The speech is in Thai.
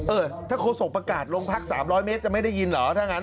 เออถ้าโฆษกประกาศโรงพัก๓๐๐เมตรจะไม่ได้ยินเหรอถ้างั้น